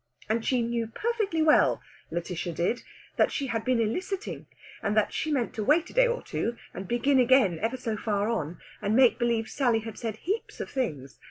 And she knew perfectly well, Lætitia did, that she had been eliciting, and that she meant to wait a day or two, and begin again ever so far on, and make believe Sally had said heaps of things.